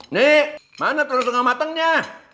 nih mana telur sungguh matangnya